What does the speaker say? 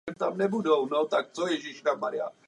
Byl to druhý americký pokus o let k Měsíci.